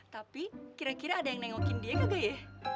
tapi kira kira ada yang nengokin dia kagak ya